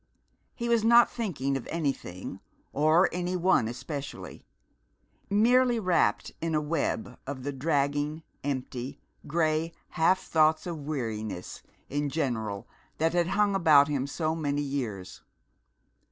He was not thinking of anything or any one especially; merely wrapped in a web of the dragging, empty, gray half thoughts of weariness in general that had hung about him so many years.